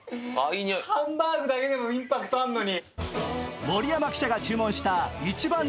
ハンバーグだけでもインパクトあるのに。